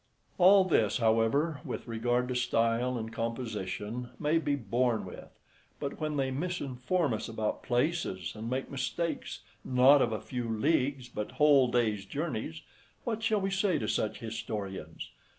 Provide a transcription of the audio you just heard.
All this, however, with regard to style and composition, may be borne with, but when they misinform us about places, and make mistakes, not of a few leagues, but whole day's journeys, what shall we say to such historians?